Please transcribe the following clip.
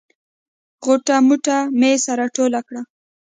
غوټه موټه مې سره ټوله کړه.